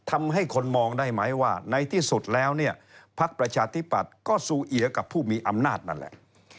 ทำให้คนมองได้ไหมว่าในที่สุดแล้วเนี่ยพักประชาธิปัตย์ก็ซูเอียกับผู้มีอำนาจนั่นแหละ